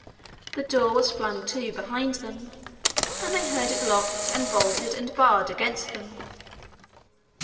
The door was flung to behind them, and they heard it locked and bolted and barred against them.